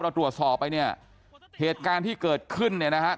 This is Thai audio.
เราตรวจสอบไปเนี่ยเหตุการณ์ที่เกิดขึ้นเนี่ยนะฮะ